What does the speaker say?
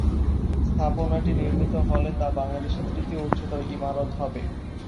স্থাপনাটি নির্মিত হলে তা বাংলাদেশের তৃতীয় উচ্চতম ইমারত হবে।